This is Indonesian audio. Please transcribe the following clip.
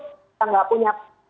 kita enggak punya